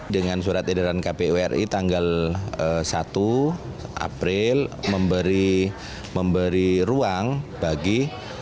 dengan surat edaran kpu ri tanggal satu april memberi ruang bagi